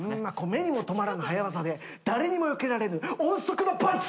目にもとまらぬ早業で誰にもよけられぬ音速のパンチ！